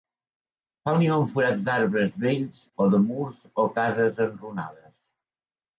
Fa el niu en forats d'arbres vells o de murs o cases enrunades.